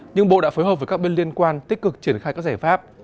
nhưng bộ đã phối hợp với các bên liên quan tích cực triển khai các giải pháp